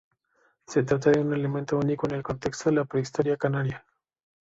Se trata de un elemento único en el contexto de la prehistoria canaria.